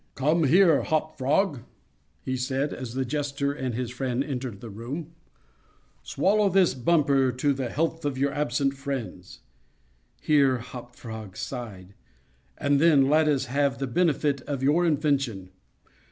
"Come here, Hop Frog," said he, as the jester and his friend entered the room; "swallow this bumper to the health of your absent friends, [here Hop Frog sighed,] and then let us have the benefit of your invention.